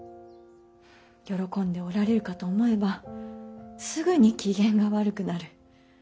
喜んでおられるかと思えばすぐに機嫌が悪くなる。